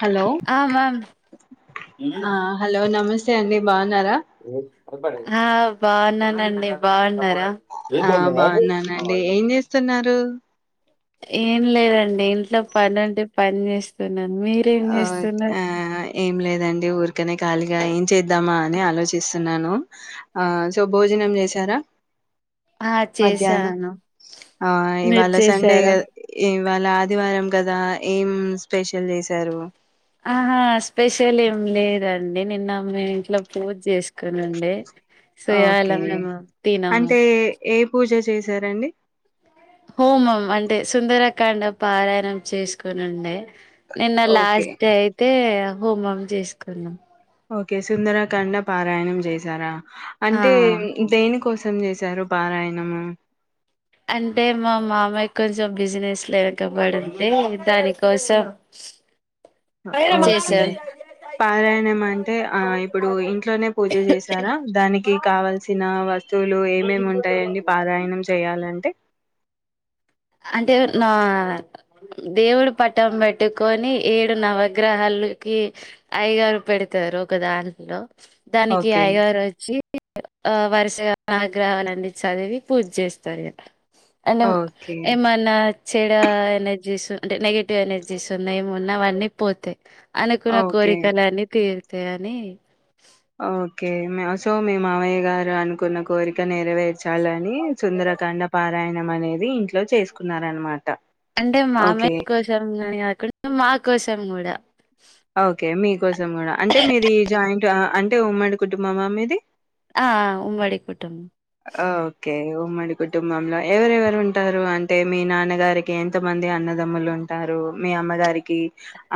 Hello ఆ ma'am ఆ hello నమస్ నమస్తే అండి బా న్నారా హా బాగున్నానండి బాగ్ ఆ బాగున్నానండి ఏం చేస్తున్నారు ఏం లేదండి ఇంట్లో పని ఉంటే పని చేస్తున్నా ఆ ఆ ఏం లేదండి ఊర్క్ కెనే ఖాళీగా ఏం చేద్దామా అని ఆలోచిస్తున్నాను. ఆ సో భోజనం చేసారా ఆ మధ్యాహ్నం చేశాను ఆ మీరు ఇవాళ సండే క చేశారా ఏం ఇవాళ ఆదివారం కదా ఏం స్పెషల్ చేసి చారు ఆహా స్పెషల్ ఏం లేద అండి నిన్న మేము ఇంట్లో పూజ చేసుకోనుండే సో ఇయాలా ఓకే మేము తినము అంటే ఏ పూజ చేశారండి హోమం అంటే సుందరకాండ పారాయణం చేసుకొని ఉండే నిన్న ఓకే లాస్ట్ డే అయితే హోమం చేసుకున్నాం ఓకే సుందరకాండ పారాయణం చేశారా అంటే ఆ దేనికో సం చేసారు పారాయణము అంటే మా మామయ కొంచెం బిజినెస్ లో ఇరకబడింటే దానికోసం హ ఓకే చేసాం పారాయణం అంటే ఆ ఇప్పుడు ఇంట్లోనే పూజ చేసారా, దానికి కావల్సిన వస్తువులు ఏమేమి ఉంటాయండి పారాయణం చేయాలంటే, అంటే నా దేవుడు పటం పెట్టుకొని ఏడు నవగ్రహాలకి ఐగారు పెడతారు ఒక దాంట్లో, దానికి ఓకే. ఐగారు వచ్చి ఆ వరుసగా ఆగ్రహాల అన్ని చదివి పూజ చేస్తారు ఇ అన్న ఓకే. ఏమన్నా చెడా ఎనర్జీస్ అంటే నెగటివ్ ఎనర్జీస్ ఉన్నా ఏమున్నా అవన్నీ పోతాయి అనుకున్న ఓకే. కోరికలన్నీ తీరు ంత అని ఓకే సో మీ మావయ్య గారు అనుకున్న కోరిక నెరవేర్చు చాలా అని సుందరకాండ పారాయణ అనేది ఇంట్లో చేసుకున్నారనమాట అంటే ఓకే. మామయ్య కోసం అని కాకుండా మా కోసం కూడా ఓకే మీకోసం కూడా అంటే మీది జాయింట్ అంటే ఉమ్మడి కుటుంబమా మీది ఆ ఉమ్మడి కుటుంబ ఓకే. ఉమ్మడి కుటుంబంలో ఎవరెవరు ఉంటారు అంటే మీ నాన్నగారికి ఎంతమంది అన్నదమ్ములు ఉంటారు మీ అమ్మగారికి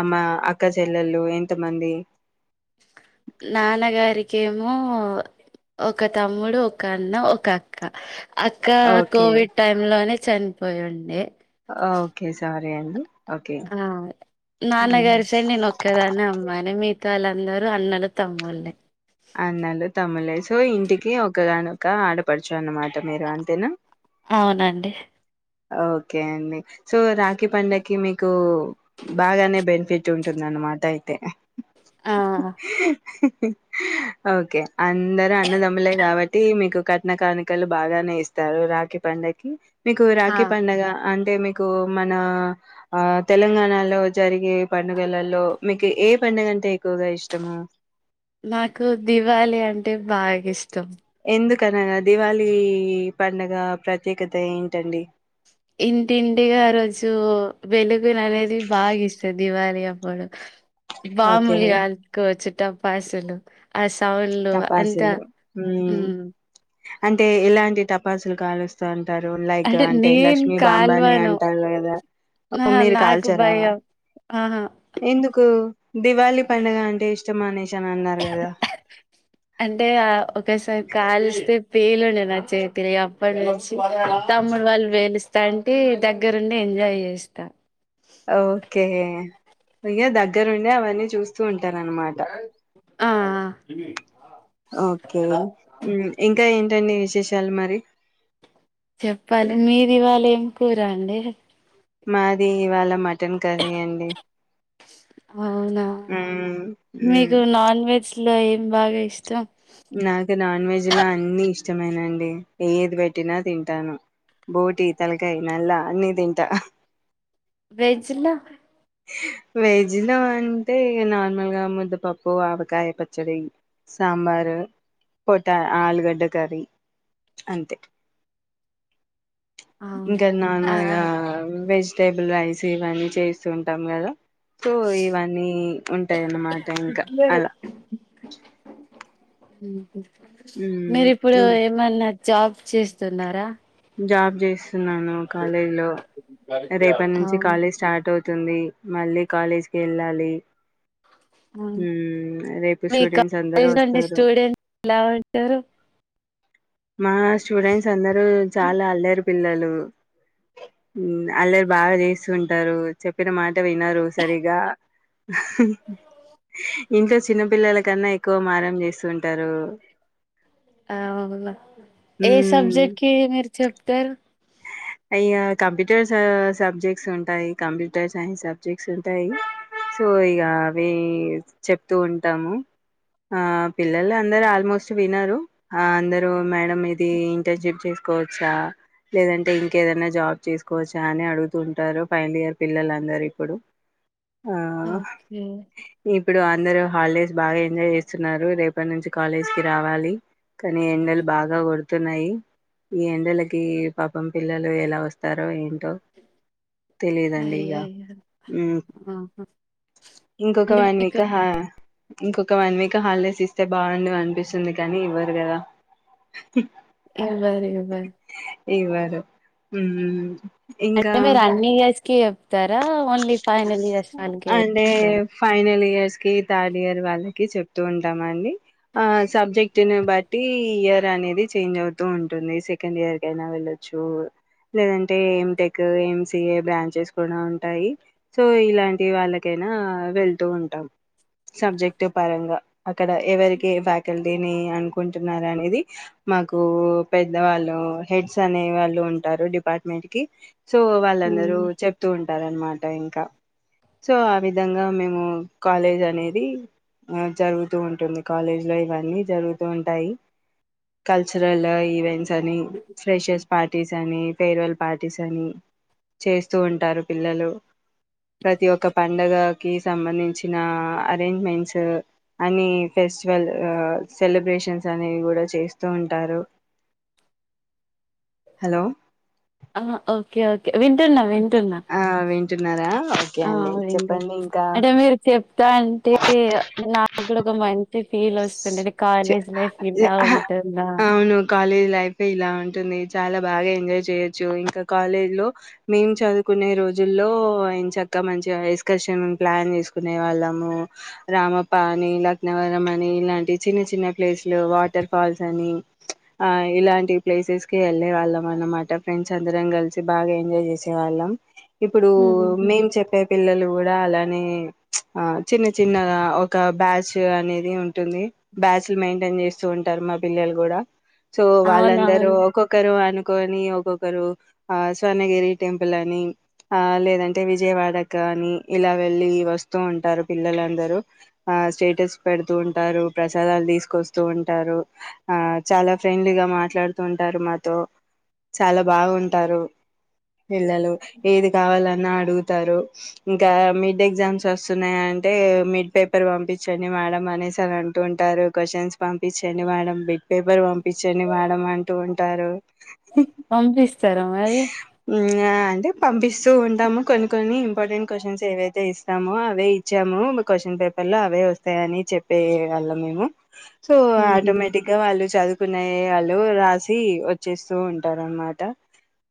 అమ్మ అక్క చెల్లెల్లు ఎంతమంది నాన్నగారీకేమో ఒక తమ్ముడు ఒక అన్న ఒక అక్క అక్క ఓకే. కోవిడ్ టైం లోనే చనిపోయిండే ఓకే సార్ సరే అండి ఓకే. ఆ హ్మ్. నాన్నగారి సైడ్ నేను ఒక్కదాన్నే అమ్మాయినే మీ మిగతా వాళ్ళందరూ అన్నలు తమ్ముళ్లే అన్నలు తమ్ములే సో ఇంటికి ఒకగాని ఒక ఆడపడుచు అన్నమాట ట్ట మీరు అంతేనా అవునండి ఓకే అండి సో రాఖీ పండగకి మీకు బాగానే బెనిఫిట్ ఉంటుంది అన్నమాట అయితే ఆ ఓకే అందరు అన్నదమ్ములే కాబట్టి మీకు కట్నకానికలు బాగానే ఇస్తారు రాఖి పండక్కి మీకు ఆ కే పండగ అంత అంటే మీకు మన ఆ తెలంగాణలో జరిగే పండుగలలో మీకు ఏ పండుగ అంటే ఎక్కువగా ఇష్టము నాకు దివాళి అంటే బాగా ఇష్టం ఎందుకనగా దివాళీ పండగ ప్రత్యేకత ఏంటండి వెలుగు ననేది బాగా ఇస్తుంది దివాళి అప్పుడు ఓకే. బాంబులు కాల్చుకోవచ్చు టపాసులు అస్ టవన్లు అంత టపాసులు. హ్మ్. అంటే ఎలాంటి తపాసులు కాలుస్తా అంటారు లైక్ అంటే నేను లక్ష్మీ బాంబు కాల్వను అంటారు కదా ఆహా మీరు నాకు కాల్చరా భయం ఆహా ఎందుకు దివాళి పండుగ అంటే ఇష్టం అనేసి ష అన్నారు కదా అంటే ఆ ఒకసారి కాల్స్తే పేలుండే నా చేతి అప్పటి నుంచి తమ్ముడు వాళ్ళు పేలుస్త తంటి దగ్గరుండి ఎంజాయ్ చేస్తా ఓకే ఇయ దగ్గర ఉండే అవన్నీ చూస్తూ ఉంటా అన్నమాట ఆ ఓకే ఇంకా ఏంటండి వి శాలు మరి చెప్పాలి మీది ఇవాళ ఏం కూరండి మాది ఇవాళ మటన్ కర్రీ అండి అవునా మ్ మ్ మీకు నాన్ వెజ్ లో ఏం బాగా ఇష్టం నాకు నాన్ వెజ్ లో అన్ని ఇష్టమైనండి ఏది పెట్టినా తింటాను బోటి తలకాయ నల్ల అన్ని తింటా వెజ్లా వెజ్ లో అంటే నార్మల్గా ముద్దపప్పు ఆవకాయ పచ్చడి సాంబారు పటా ఆలుగడ్డ కర్రీ అంతే అవును ఇంకా ఆ నార్మల్గా వెజిటేబుల్ రైస్ ఇవన్నీ చేస్తుూంటాం కదా సో ఇవన్నీ ఉంటాయన్నమాట ఇంకా అలా మ్మ్ మీరి ఇప్పుడు ఇంక్ ఏమన్న జాబ్ చేస్తున్నారా జాబ్ చేసి చస్తున్నాను కాలేజీ లో రేపటి నుంచి అవును కాలేజ్ స్టార్ట్ అవుతుంది మళ్ళీ కాలేజ్కి వెళ్ళాలి మ్మ్ రేపు మీ స్టూడెంట్స్ అందరూ కాలేజ్ లో ఉండి వస్తారు స్టూడెంట్ ఎలా ఉంటారు మా స్టూడెంట్స్ అందరూ చాలా అల్లరి పిల్లలు అల్లరి బాగా చేస్తూ ఉంటారు చెప్పిన మాట వినరు సరిగా ఇంట్లో చిన్నపిల్లల కన్నా ఎక్కువ మారం చేస్తుూంటారు అవున ఏ మ్మ్ సబ్జెక్ట్ కి మీరు చెప్తారు అయే కంప్యూటర్ సబ్జెక్ట్స్ ఉంటాయి కంప్యూటర్ సైన్స్ సబ్జెక్ట్స్ ఉంటాయి సో ఇగ అవి చెప్తూ ఉంటాము ఆ పిల్లలు అందరు ఆల్మోస్ట్ విన్నారు ఆ అందరూ మేడం ఇది ఇంటర్న్షిప్ చేసుకోవచ్చా లేదంటే ఇంకేదైనా జాబ్ చేసుకోవచ్చా అని అడుగుతుంటారు ఫైనల్ ఇయర్ పిల్లలందరూ ఇప్పుడు ఆ ఒకే [unintelligible] [unintelligible] హాలీడేస్ బాగా ఎంజాయ్ చేస్తున్నారు రేప్ రేప్పటి నుంచి కాలేజ్ కి రావాలి కానీ ఎండలు బాగా కొడుతున్నాయి ఈ ఎండలకి పాపం పిల్లలు ఎలా వస్తారో ఏమో టో తెలిదండి ఇగ అయ్యో అయ్యో ఆహా ఇంకొక అంటే వన్ మీకు వీక్ ఇంకొక వన్ వీక్ హాలిడేస్ ఇస్తే బాగుండు అనిపిస్తుంది కానీ ఇవ్వరు కదా ఇవరూ ఇవరూ ఇవారు హ్మ్మ్ అంటే మీరు అన్నీ చే కిి చేప్తారా ఓన్లీ ఫైనల్ ఇయర్స్ వాళ్ళకే అంటే చెప్తారా ఫైనల్ ఇయర్స్ థర్డ్ ఇయర్ వాళ్ళకి చెప్తూ ఉంటామ అండి ఆ సబ్జెక్ట్ ని బట్టి ఇయర్ అనేది చేంజ్ అవుతూ ఉంటుంది సెకండ్ ఇయర్ కయినా వెళ్లొచ్చు లేదంటే ఎంటెక్ ఎంసిఏ బ్రాంచెస్ కూడా ఉంటాయి సో ఇలాంటి వాళ్ళకైనా వెళ్తూ ఉంటాం సబ్జెక్ట్ పరంగా అక్కడ ఎవరికి ఏ ఫ్యాకల్టీని అనుకుంటున్నారు అనేది మాకు పెద్ద వాళ్ళు హెడ్స్ అనే వాళ్ళు ఉంటారు డిపార్ట్మెంట్ కి సో వాళ్ళందరూ ఉమ్ చెప్తూ ఉంటారు అన్నమాట అంట ఇంకా సో ఆ విధంగా మేము కాలేజ్ అనేది ఆ జరుగుతూ ఉంటుంది కాలేజ్ లో ఇవన్నీ జరుగుతూ ఉంటాయి కల్చరల్ ఈవెంట్స్ అని ఫ్రెషస్ పార్టీ పార్టీస్ అని ఫేర్వెల్ పార్టీస్ అని చేస్తూ ఉంటారు పిల్లలు ప్రతి ఒక్క పండగకి సంబంధించిన అరేంజ్మెంట్సు అనీ ఫస్టివల్ ఆ సెలబ్రేషన్ అనేవి కూడా చేస్తూ ఉంటారు హలో ఆ ఓకే ఓకే వింటున్న వింటున్నా ఆ వింటున్నారా ఓకే ఆ అండి వింటున్న చెప్పండి ఇంకా అంటే మీరు చెప్తా ఉంటే నాడు ఒక మంచి అ ఫీల్ వస్తుండేది చె కాలేజ్ లైఫ్ ఇలా అహ ఉంటుందా అవును కాలేజ్ లైఫ్ ఇలా ఉంటుంది చాలా బాగా ఎంజాయ్ చేయొచ్చు ఇంకా కాలేజ్ లో మేము చదువుకునే రోజుల్లో ఎన చక్క మంచి ఎక్స్కర్షన్ ప్లాన్ చేసుకునే వాళ్ళము రామప్ప అని లక్నవర్ అని ఇలాంటి చిన్న చిన్న ప్లేస్లు వాటర్ ఫాల్స్ అని ఆ ఇలాంటి ప్లేసెస్ కి వెళ్ళే వాళ్ళం అన్నమాట ఫ్రెండ్స్ అందరం కలిసి బాగా ఎంజాయ్ చేసే వాళ్ళం ఇప్పుడు హుహుహు. మేము చెప్పే పిల్లలు కూడా అలాంటి అని ఆ చిన్న చిన్నగా ఒక బ్యాచ్ అని ఉంటుంది బ్యాచ్లు మెయింటైన్ చేస్తూ ఉంటారు మా పిల్లలు కూడా సో అవునా! వాళ్ళందరూ ఒక్కొక్కరు అను ని ఒక్కొక్కరు ఆ స్వర్ణగిరి టెంపుల్ అని ఆ లేదంటే విజయవాడ కి గాని అని ఇలా వెళ్ళి వస్తూ ఉంటారు పిల్లలందరూ ఆ స్టేటస్ పెడుతూ ఉంటారు ప్రసాదాలు తీసుకొస్తుంటారు తోంటారు ఆ చాలా ఫ్రెండ్లీగా మాట్లాడుతూ ఉంటారు మాతో చాలా బాగుంటారు పిల్లలు ఏది కావాలన్నా అడుగుతారు, ఇంకా మిడ్ ఎగ్జామ్స్ వస్తున్నాయంటే మిడ్ పేపర్ పంపించండి మేడం. మనేసి అని అంటూ ఉంటారు క్వశ్చన్స్ పంపించండి మేడం, బిట్ పేపర్ పంపించండి మేడం అంటూ ఉంటారు. హ్మ్. పంపిస్తారా మరి ఆ! అంటే పంపిస్తూ ఉంటాము కొన్ని కొన్ని ఇంపార్టెంట్ క్వశ్చన్స్ ఏవైతే ఇస్తామో అవే ఇచ్చాము, క్వశ్చన్ పేపర్ లో అవే వస్తాయని చెప్పే వాల్లం మేము సో హుహు. ఆటోమేటిక్ గా వాళ్ళు చదువు కున్నై వాళ్ళు రాసి వచ్చేస్తూ ఉంటారు అనమాట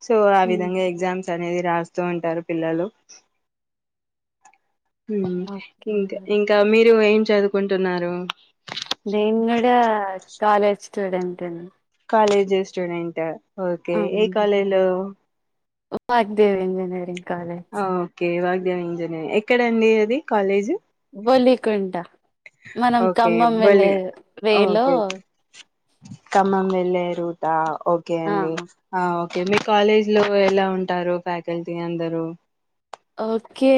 సో ఆ హ్మ్. విధంగా ఎగ్సామ్స్ త్ అనేది రాస్తూ ఉంటారు పిల్లలు హుమ్ ఓకే. ఇంక ఇంకా మీ [unintelligible] ఏం చదు కుంటున్నారు నేను గూడా కాలేజ్ స్టూడెంట్ అన్ కాలేజీ స్టూడెంట్ ఆ ఓకే ఏ కాలేజ్ లో వాగ్దేవ్ ఇంజినీరింగ్ కాలేజ్. ఆ ఓకే వాళ్ళు దేవి ఇంజనీ ఎక్కడండి అది కాలేజ్ బొలికొంటా ఓకే బెల్లిగా వేలో ఓకే ఖమ్మం వెళ్ళారు ఓకే ఆ! అండి ఆ అే మీ కాలేజ్ లో ఎలా ఉంటారు ఫ్యాకల్టీ అందరూ ఓకే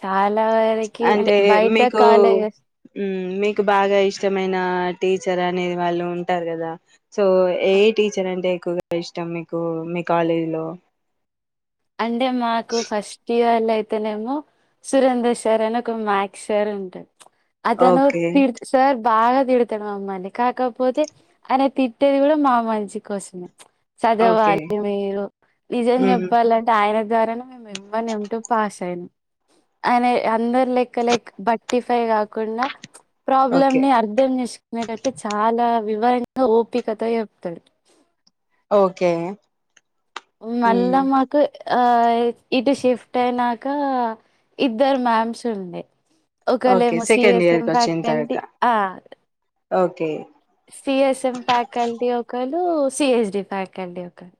చా కాలా వరకి అంటే బయట కాలేజస్ మ్మ్ మీకు బాగా ఇష్టమైన టీచర్ అనేది వాళ్ళుంటారు కదా సో ఏ ఏ టీచర్ అంటే ఎక్కువగా ఇష్టం మీకు మీ కాలేజీ లో అంటే మాకు ఫస్ట్ ఇయర్ లైఫ్ అయితేనేమో సురేంద్ర సార్ అని ఒక మ్యాథ్స్ సార్ ఉంటారు అదను ఓకే తిర్ సార్ బాగా తిడతాడు మమ్మల్ని కాకపోతే అయం తిట్టేది కూడా మా మంచి కోసమే ఓకే చదవాలి మీరు నిజం మ్మ్ చెప్ అంటే ఆయన ద్వారానే మేము M one M two pass అయినాం ఆయన అందరు లెక్క లైక్ థర్టిఫైవ్ కాకుండా ప్రాబ్లం ఓకే ని అర్థం చేసుకునేటట్టు చాలా వివరంగా ఓపికతో చెప్తాడు ఓకే మళ్ళ మ్మ్ మాకు ఆ ఇటు షిఫ్ట్ అయినా కా ఇద్దరు మ్యామ్స్ ఉండే ఓకే ఒకలేమో C second S year M కి వచ్చిన తర్వాత ప్యాకంటి ఆ okay C S M faculty ఒక లు, సి హెచ్ డి ఫ్యాకల్టి ఒకరు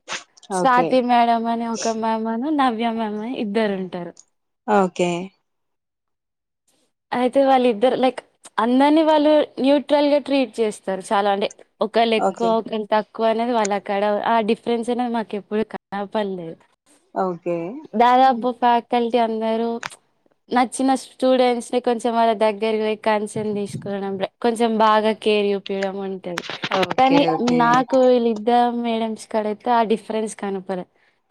ఓకే స్వాతి మేడం అనే ఒక మ్యామునూ న వ్య మ్యామ్ అని ఇద్దరు ఉంటారు ఓకే అయితే వాళ్ళు ఇద్దరు లైక్ ప్చ్ అందరినీ వాళ్ళు న్యూట్రల్ గా ట్రీట్ చేస్తరు. చాలా అంటే ఒకళు ఎక్కువ ఓకే ఒకళు త క్కువ అనేది వాళ్ళ కాడ ఆ డిఫరెన్స్ అనేది మాకు ఎప్పుడు కనపడ్లేదు. ఓకే దాదాపు ఫ్యాక ల్టి అందరూ ప్చ్ నచ్చిన స్టూడెంట్స్ కొంచెం వాళ్ళ దగ్గరకి పోయి కన్సన్ తీసుకోవడం, కొంచెం బాగా కేర్ చూపియడం ఉంటది. ఓకే కాని ఓకే నాకు వీళ్ళిద్దరు మేడ మ్స్ కాడైతే ఆ డిఫరెన్స్ కనపడ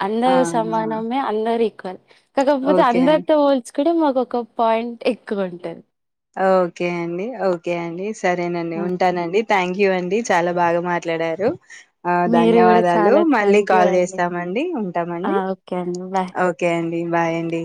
అందరు అవునా సమానమే అందరి క [unintelligible] కకపోతే ఓకే అం అందరితో పోల్చు ఇక్కడే మాకు ఒక పాయిం ఎక్కువ ఉంటంది. ఓకే అండి ఓకే అండి. సరేనండి ఉంటానండి. థ్యాంక్ యూ అండి చాల బాగా మాట్లాడారు. మీరు కూడా ధన్యవాదాలు చాలా మళ్ళీ థ్యాంక్ యూ కాల్ అండి చేస్తామండి, ఆ ఉంటామండి, ఓకే అండి బాయ్ ఓకే అండి బాయ్ అండి.